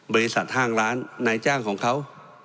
บริษัทห้างร้านนายจ้างของเขา